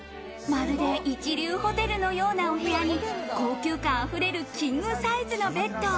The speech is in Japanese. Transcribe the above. まるで一流ホテルのようなお部屋に高級感あふれるキングサイズのベッド。